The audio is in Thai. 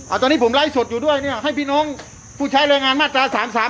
อันนี้ผมไลฟ์สดอยู่ด้วยเนี่ยให้พี่น้องผู้ใช้แรงงานมาตราสามสาม